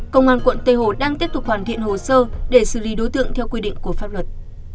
công an quận tây hồ đang tiếp tục hoàn thiện hồ sơ để xử lý đối tượng theo quy định của pháp luật